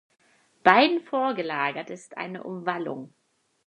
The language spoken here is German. Beiden vorgelagert ist eine Umwallung.